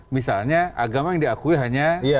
misalnya agama yang diakui hanya